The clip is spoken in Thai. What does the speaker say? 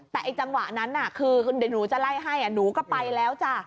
แต่ไอ้จังหวะนั้นคือเดี๋ยวหนูจะไล่ให้หนูก็ไปแล้วจ้ะ